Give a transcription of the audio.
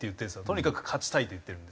「とにかく勝ちたい」と言ってる。